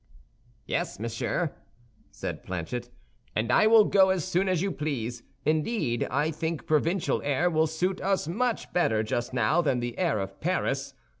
"Yes, monsieur," said Planchet, "and I will go as soon as you please. Indeed, I think provincial air will suit us much better just now than the air of Paris.